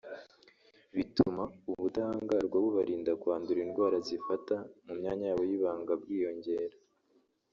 bituma ubudahangarwa bubarinda kwandura indwara zifata mu myanya yabo y’ibanga bwiyongera